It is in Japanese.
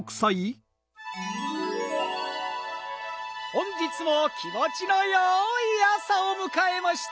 本日も気もちのよいあさをむかえました